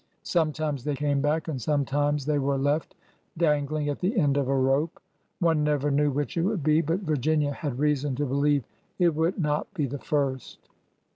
Sometimes they came back and sometimes they were left dangling at the end of a rope. One never knew which it would be, but Virginia had reason to believe it would not be the first.